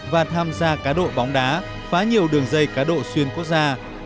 và tham gia cá độ bóng đá phá nhiều đường dây cá độ xuyên quốc gia